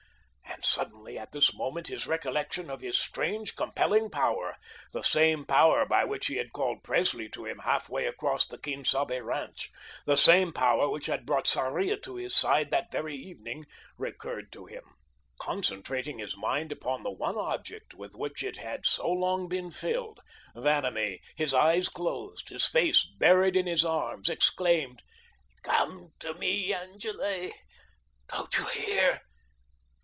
And suddenly, at this moment, his recollection of his strange compelling power the same power by which he had called Presley to him half way across the Quien Sabe ranch, the same power which had brought Sarria to his side that very evening recurred to him. Concentrating his mind upon the one object with which it had so long been filled, Vanamee, his eyes closed, his face buried in his arms, exclaimed: "Come to me Angele don't you hear?